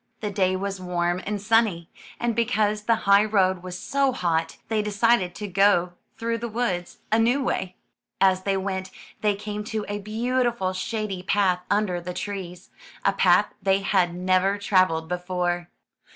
The day was warm and sunny, and because the high road was so hot, they decided to go through the woods, a new way. As they went, they came to a beautiful shady path under the trees, a path they had never traveled before.